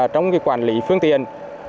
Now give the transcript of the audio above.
trong quản lý phương tiện